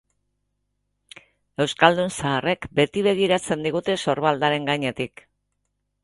Euskaldun zaharrek beti begiratzen digute sorbaldaren gainetik.